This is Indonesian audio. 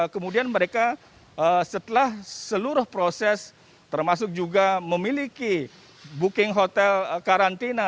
kemudian mereka setelah seluruh proses termasuk juga memiliki booking hotel karantina